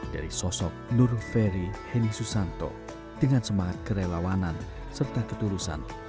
dari sosok nur ferry heni susanto dengan semangat kerelawanan serta ketulusan